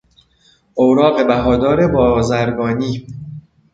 اوراق بهادار بازرگانی